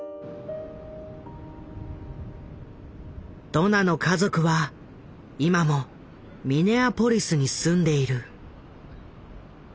ドナの家族は今もミネアポリスに住んでいる。